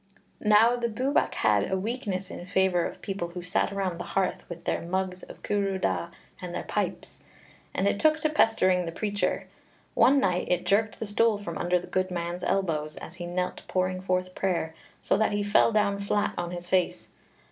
Now the Bwbach had a weakness in favour of people who sat around the hearth with their mugs of cwrw da and their pipes, and it took to pestering the preacher. One night it jerked the stool from under the good man's elbows, as he knelt pouring forth prayer, so that he fell down flat on his face.